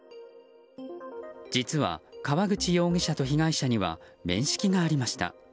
実は、河口容疑者と被害者には面識がありました。